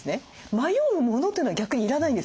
迷うモノというのは逆に要らないんです